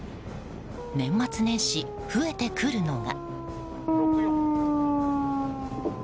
年末年始、増えてくるのが。